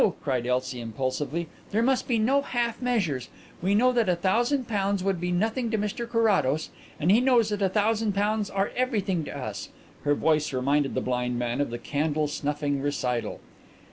cried Elsie impulsively. "There must be no half measures. We know that a thousand pounds would be nothing to Mr Carrados, and he knows that a thousand pounds are everything to us." Her voice reminded the blind man of the candle snuffing recital.